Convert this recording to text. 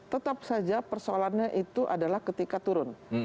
tetap saja persoalannya itu adalah ketika turun